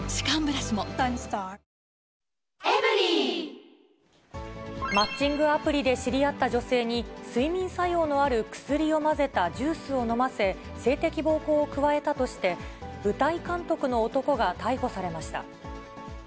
「ビオレ」マッチングアプリで知り合った女性に、睡眠作用のある薬を混ぜたジュースを飲ませ、性的暴行を加えたとして、舞台監督の男が逮捕されました。